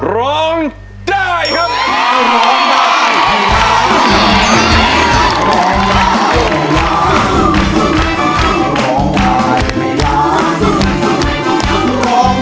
ร้องได้ครับ